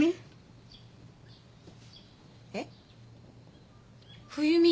えっ？